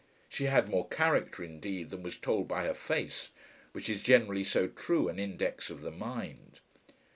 She had more character, indeed, than was told by her face, which is generally so true an index of the mind.